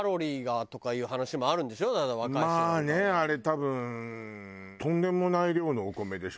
まあねあれ多分とんでもない量のお米でしょ？